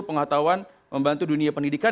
pengatauan membantu dunia pendidikan